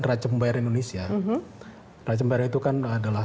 racem pembayaran indonesia racem pembayaran itu kan adalah